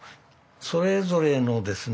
それぞれのですね